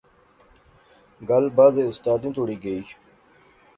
گل بعضے استادیں توڑی گئی